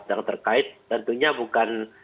yang terkait tentunya bukan